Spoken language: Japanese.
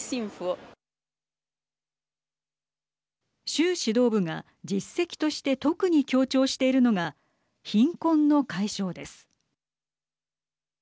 習指導部が実績として特に強調しているのが貧困の解消です。